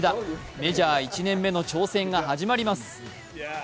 メジャー１年目の挑戦が始まります。